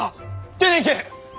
出ていけ！